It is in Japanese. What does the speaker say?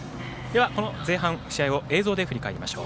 前半、試合を映像で振り返りましょう。